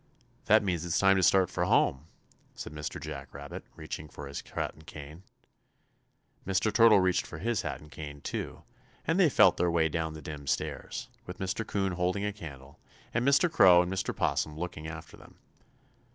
"That means it's time to start for home," said Mr. Jack Rabbit, reaching for his hat and cane. Mr. Turtle reached for his hat and cane, too, and they felt their way down the dim stairs, with Mr. 'Coon holding a candle, and Mr. Crow and Mr. 'Possum looking after them.